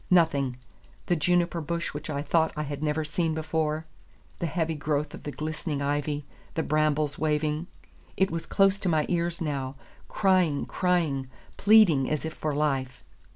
Nothing, the juniper bush which I thought I had never seen before, the heavy growth of the glistening ivy, the brambles waving. It was close to my ears now, crying, crying, pleading as if for life.